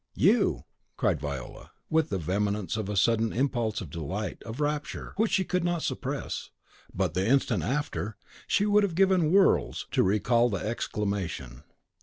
"You!" cried Viola, with the vehemence of a sudden impulse of delight, of rapture, which she could not suppress; but the instant after, she would have given worlds to recall the exclamation.